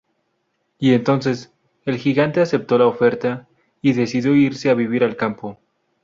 Y entonces, el gigante aceptó la oferta, y decidió irse a vivir al campo.